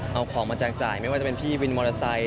เอาของมาแจกจ่ายไม่ว่าจะเป็นพี่วินมอเตอร์ไซค